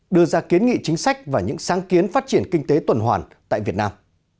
đưa ra kiến nghị chính sách và những sáng kiến phát triển kinh tế tuần hoàn tại việt nam